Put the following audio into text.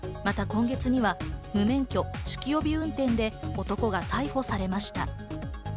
また今月には無免許、酒気帯び運転で男が逮捕されました。